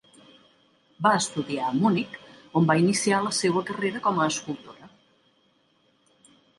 Va estudiar a Munic, on va iniciar la seua carrera com a escultora.